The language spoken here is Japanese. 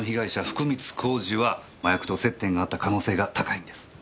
福光公次は麻薬と接点があった可能性が高いんです。